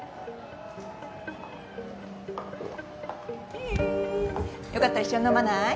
・イェイ良かったら一緒に飲まない？